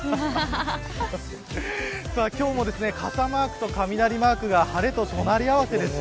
今日も傘マークと雷マークが晴れと隣合わせです。